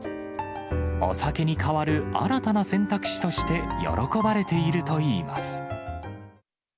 お酒に代わる新たな選択肢として喜ばれているといいます。